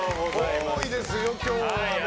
多いですよ、今日は。